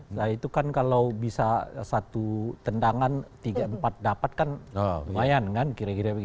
nah itu kan kalau bisa satu tendangan tiga empat dapat kan lumayan kan kira kira begitu